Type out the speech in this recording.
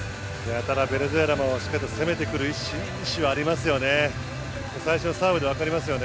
ただベネズエラもしっかり攻めてくる意思はありますよね。